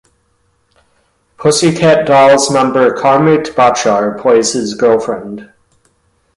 Pussycat Dolls member Carmit Bachar plays his girlfriend.